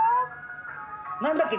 何だっけ？